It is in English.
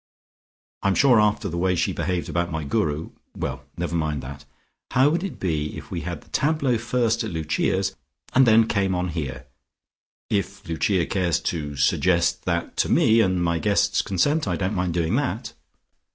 I'm sure after the way she behaved about my Guru Well, never mind that. How would it be if we had the tableaux first at Lucia's, and then came on here? If Lucia cares to suggest that to me, and my guests consent, I don't mind doing that."